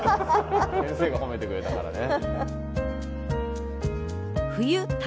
先生が褒めてくれたからね。